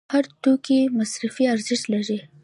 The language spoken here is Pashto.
هر توکی مصرفي ارزښت لري.